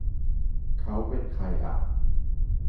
เค้าเป็นใครอ่ะ